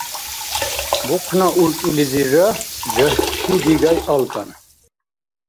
Бухъна уркӀилизирра жагьти дигай алкан.